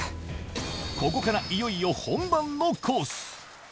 ここからいよいよ本番のコース。